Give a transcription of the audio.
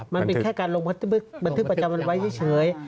มันเป็นแค่การลงบันทึกประจำวันไว้เฉย